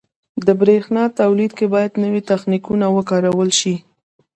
• د برېښنا تولید کې باید نوي تخنیکونه وکارول شي.